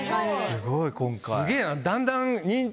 すごい今回。